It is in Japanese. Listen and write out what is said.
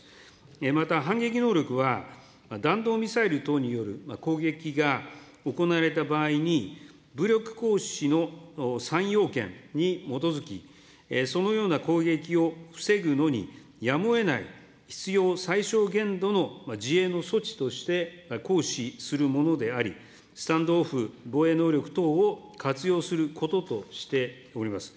また、反撃能力は、弾道ミサイル等による攻撃が行われた場合に、武力行使の３要件に基づき、そのような攻撃を防ぐのにやむをえない必要最小限度の自衛の措置として、行使するものであり、スタンドオフ、防衛能力等を活用することとしております。